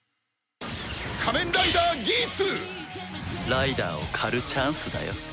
ライダーを狩るチャンスだよ。